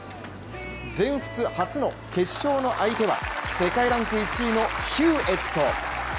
全仏初の決勝の相手は世界ランク１位のヒューエット。